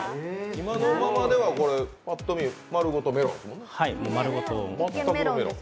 今のままではパッと見まるごとメロンですもんね。